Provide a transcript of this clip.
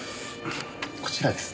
こちらです。